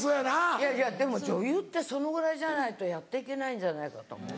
いやいやでも女優ってそのぐらいじゃないとやって行けないんじゃないかと思う。